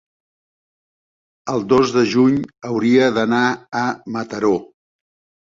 el dos de juny hauria d'anar a Mataró.